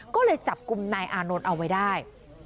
ก็เลยจับกลุ่มนายอานนท์เอาไว้ได้